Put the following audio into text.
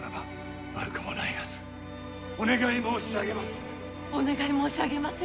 そしてお願い申し上げまする。